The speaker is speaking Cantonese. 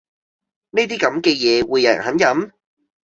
呢啲咁嘅嘢會有人肯飲?